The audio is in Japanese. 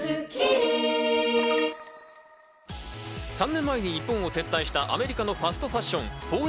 ３年前に日本を撤退したアメリカのファストファッション、ＦＯＲＥＶＥＲ